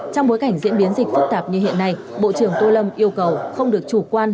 trong bối cảnh diễn biến dịch phức tạp như hiện nay bộ trưởng tô lâm yêu cầu không được chủ quan